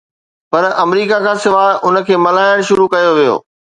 پر America کان سواءِ ان کي ملهائڻ شروع ڪيو ويو